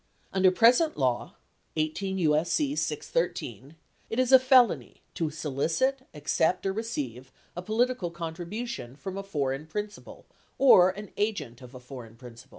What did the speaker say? Under present law (18 U.S.C. 613) it is a felony to solicit, accept or receive a political contribution from a foreign principal or an agent of a foreign principal.